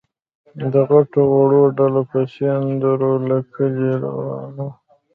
د غټو وړو ډله په سندرو له کلي روانه وه.